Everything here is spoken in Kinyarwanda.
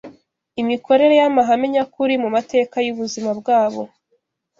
imikorere y’amahame nyakuri mu mateka y’ubuzima bwabo